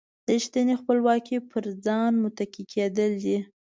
ریښتینې خپلواکي پر ځان متکي کېدل دي.